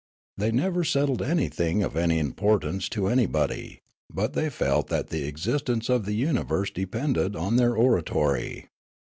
They never settled anything of any importance to anybody; but they felt that the existence of the universe 248 Riallaro depended on their oratory.